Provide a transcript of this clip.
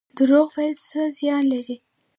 دروغ ویل څه زیان لري؟